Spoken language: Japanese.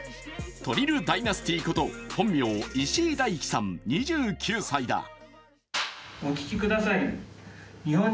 トリル・ダイナスティこと本名、石井大樹さん２９歳だ。